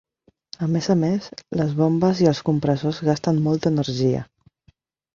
A més a més, les bombes i els compressors gasten molta energia.